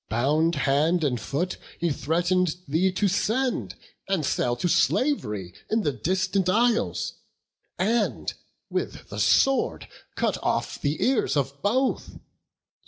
Bound hand and foot, he threaten'd thee to send And sell to slav'ry in the distant isles, And with the sword cut off the ears of both.